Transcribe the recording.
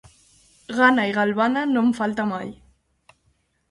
Gana i galvana no en falta mai.